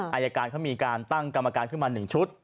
อายการเขามีการตั้งกรรมการขึ้นมา๑ชุด